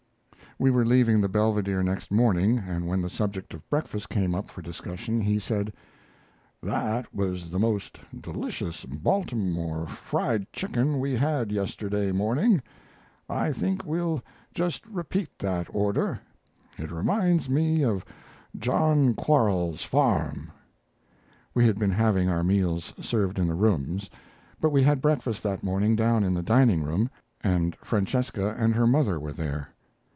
We were leaving the Belvedere next morning, and when the subject of breakfast came up for discussion he said: "That was the most delicious Baltimore fried chicken we had yesterday morning. I think we'll just repeat that order. It reminds me of John Quarles's farm." We had been having our meals served in the rooms, but we had breakfast that morning down in the diningroom, and "Francesca" and her mother were there.